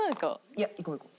いやいこういこう。